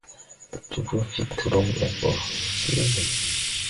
Jobo fid trum ɓɛ gɔ síigì.